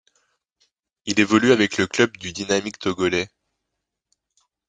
Il évolue avec le club du Dynamic Togolais.